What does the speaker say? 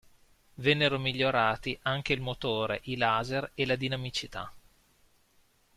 Vennero migliorati anche il motore, i laser e la dinamicità.